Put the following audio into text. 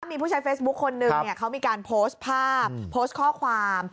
มีผู้ใช้เฟซบุ๊คคนนึงเขามีการโพสต์ภาพโพสต์ข้อความ